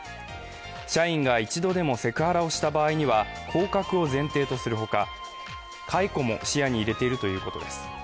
社員が一度でもセクハラをした場合には降格を前提とするほか、解雇も視野に入れているということです。